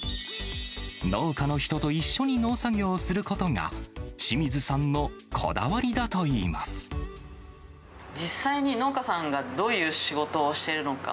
農家の人と一緒に農作業をすることが、清水さんのこだわりだとい実際に農家さんが、どういう仕事をしているのか。